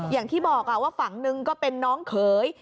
อย่างที่บอกว่าฝั่งหนึ่งก็เป็นน้องเขย